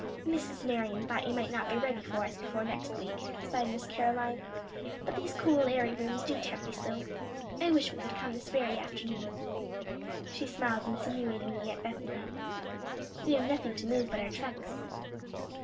"Mrs. Marion thought you might not be ready for us before next week," sighed Miss Caroline; "but these cool, airy rooms do tempt me so. I wish we could come this very afternoon." She smiled insinuatingly at Bethany. "We have nothing to move but our trunks."